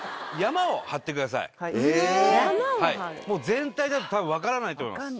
全体だとたぶん分からないと思います。